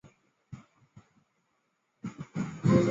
三百峰国家公园是一座位于泰国班武里府的国家海洋公园。